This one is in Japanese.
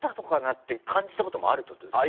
って感じたこともあるっていうことですか？